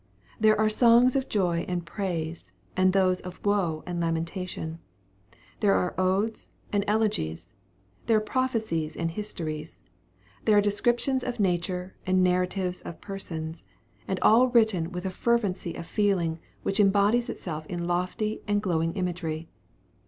There are songs of joy and praise, and those of woe and lamentation; there are odes and elegies; there are prophecies and histories; there are descriptions of nature and narratives of persons, and all written with a fervency of feeling which embodies itself in lofty and glowing imagery.